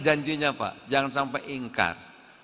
janjinya pak jangan sampai ingkar